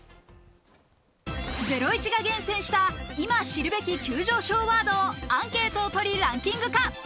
『ゼロイチ』が厳選した今知るべき急上昇ワードをアンケートをとりランキング化。